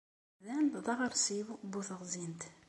Amdan d aɣersiw bu teɣẓint.